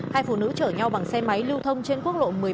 hai phụ nữ chở nhau bằng xe máy lưu thông trên quốc lộ một mươi tám